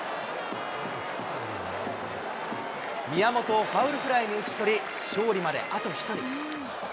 宮本をファウルフライに打ち取り、勝利まであと１人。